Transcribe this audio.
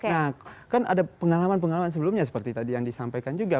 nah kan ada pengalaman pengalaman sebelumnya seperti tadi yang disampaikan juga